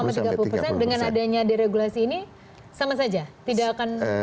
dua puluh tiga puluh persen dengan adanya diregulasi ini sama saja tidak akan